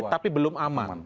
tapi belum aman